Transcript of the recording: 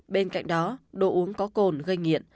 bên cạnh đó đồ uống có cồn gây nghiện